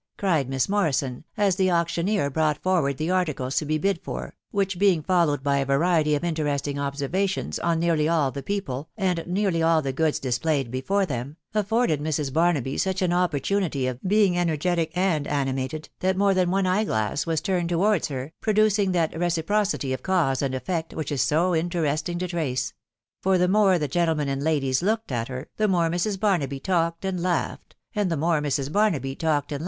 cried Miss Mor rison, as the auctioneer brought forward the articles to be bid for, which being followed by a variety of interesting, observ ations on nearly all the people, and nearly all the goods dis played before them, afforded Mrs. Barnaby such an opportunity of being energetic and animated, that more than one eye glass was turned towards her, producing that reciprocity of cause and effect which it is so interesting to trace ; for the more the gentlemen and ladies looked at her, the more Mrs. Barnaby talked and laughed, and the more Mrs. Barnaby talked and rati wijmw babnXby.